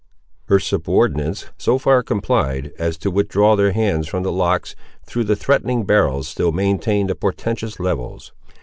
Her subordinates so far complied, as to withdraw their hands from the locks, though the threatening barrels still maintained the portentous levels.